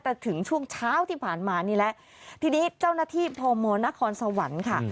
แต่ถึงช่วงเช้าที่ผ่านมานี่แหละทีนี้เจ้าหน้าที่พมนครสวรรค์ค่ะ